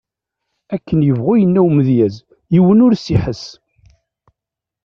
Akken yebɣu yenna umedyaz, yiwen ur s-iḥess.